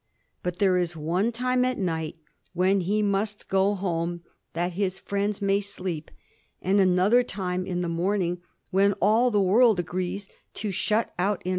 But there is one time at night when he must that his friends may sleep ; and another tin: morning, when all the world agrees to shut ruption.